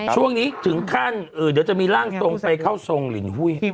ช่วงนี้ถึงขั้นเดี๋ยวจะมีร่างทรงไปเข้าทรงลินหุ้ย